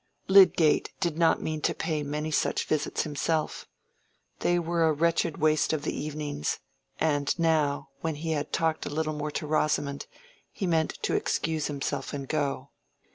Lydgate did not mean to pay many such visits himself. They were a wretched waste of the evenings; and now, when he had talked a little more to Rosamond, he meant to excuse himself and go.